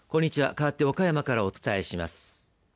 かわって岡山からお伝えします。